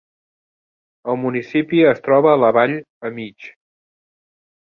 El municipi es troba a la vall a mig.